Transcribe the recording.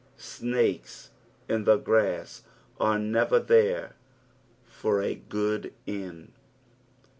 Snakes in the grass are never there for a good end.